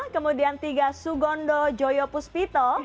kemudian tiga sugandha jayapusvita